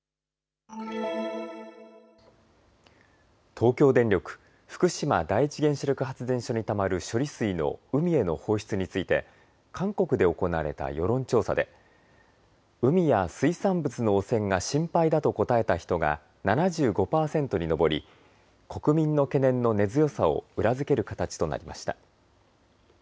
東京電力福島第一原子力発電所にたまる処理水の海への放出について韓国で行われた世論調査で海や水産物の汚染が心配だと答えた人が７５％に上り国民の懸念の根強さを裏付ける形となりました。